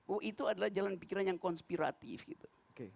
oh itu adalah jalan pikiran yang konspiratif gitu